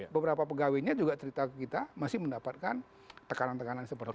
beberapa pegawainya juga cerita ke kita masih mendapatkan tekanan tekanan seperti itu